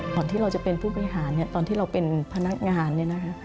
ตอนที่เราจะเป็นผู้บริหารตอนที่เราเป็นพนักงาน